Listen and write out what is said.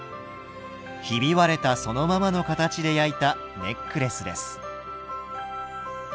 ひび割れたそのままの形で焼いたネックレスです。